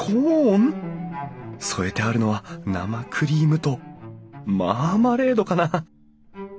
添えてあるのは生クリームとマーマレードかな？